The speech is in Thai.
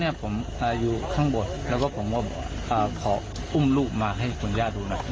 ผมอยู่ข้างบนแล้วก็ผมก็ขออุ้มลูกมาให้คุณย่าดูหน่อย